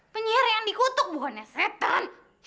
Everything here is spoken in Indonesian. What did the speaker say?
penyiar yang dikutuk bukannya setan